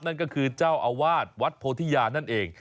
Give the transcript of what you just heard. นั่นก็คือเจ้าอาวาสวัดโพธิยานั่นเอง